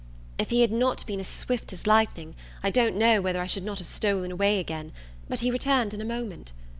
If he had not been as swift as lightning, I don't know whether I should not have stolen away again; but he returned in a moment.